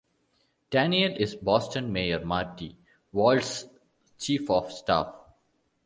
Daniel is Boston Mayor Marty Walsh's chief of staff.